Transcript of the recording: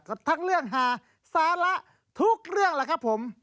ทั้งเรื่องหาสาระทุกเรื่องแหละครับผม